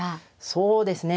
そうですね。